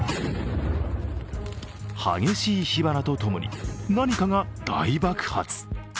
激しい火花とともに何かが大爆発。